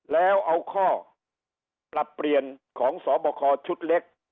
แล้วเอาข้อปรับเปลี่ยนของสอบคอชุดเล็ก